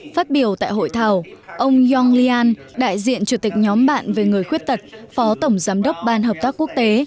phát biểu tại hội thảo ông yong lian đại diện chủ tịch nhóm bạn về người khuyết tật phó tổng giám đốc ban hợp tác quốc tế